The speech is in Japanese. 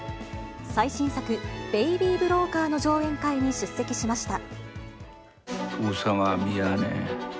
最新作、ベイビー・ブローカーの上映会に出席しました。